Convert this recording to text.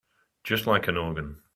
Just like an organ.